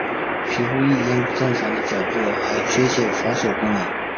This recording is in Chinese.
皮肤亦因不正常的角质而缺乏防水功能。